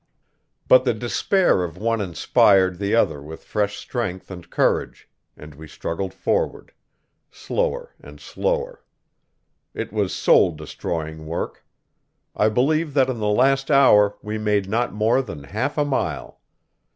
But the despair of one inspired the other with fresh strength and courage, and we struggled forward, slower and slower. It was soul destroying work. I believe that in the last hour we made not more than half a mile.